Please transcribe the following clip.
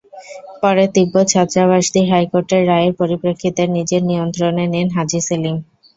পরে তিব্বত ছাত্রাবাসটি হাইকোর্টের রায়ের পরিপ্রেক্ষিতে নিজের নিয়ন্ত্রণে নেন হাজি সেলিম।